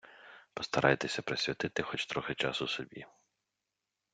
Постарайтеся присвятити хоч трохи часу собі.